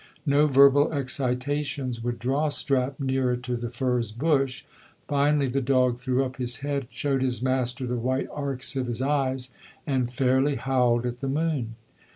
No verbal excitations would draw Strap nearer to the furze bush. Finally the dog threw up his head, showed his master the white arcs of his eyes and fairly howled at the moon.